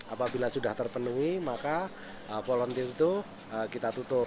apabila sudah terpenuhi maka volunteer itu kita tutup